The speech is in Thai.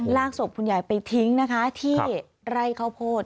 ศพคุณยายไปทิ้งนะคะที่ไร่ข้าวโพด